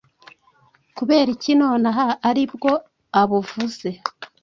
Kubera iki nonaha aribwo abuvuze